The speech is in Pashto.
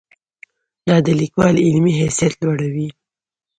دا د لیکوال علمي حیثیت لوړوي.